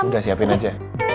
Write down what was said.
enggak siapin aja